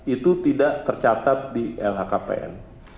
itu tidak tercatat di lhkpn